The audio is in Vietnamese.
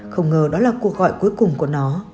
không ngờ đó là cuộc gọi cuối cùng của nó